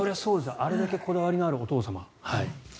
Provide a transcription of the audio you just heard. あれだけこだわりのあるお父様。